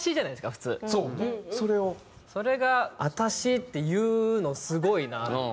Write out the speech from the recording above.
それが「あたし」って言うのすごいなと。